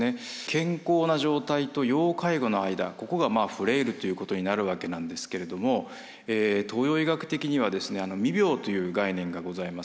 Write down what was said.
健康な状態と要介護の間ここがフレイルということになるわけなんですけれども東洋医学的には未病という概念がございます。